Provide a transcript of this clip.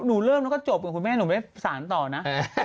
หนูเริ่มแล้วก็จบเพื่อนคุณแม่หนูไม่ได้สารต่อนะ